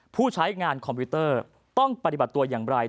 ผู้ใช้งานคอมพิวเตอร์ต้องปฏิบัติตัวอย่างไร